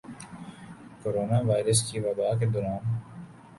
corona virus کی وبا کے دوران